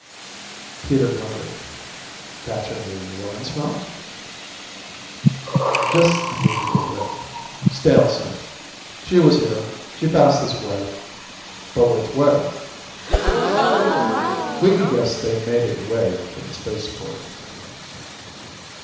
Peter grunted. "Catch any woman smell?" "Just the usual whiff. Stale scent. She was here; she passed this way. But which way?" "We can guess they made it away from the spaceport."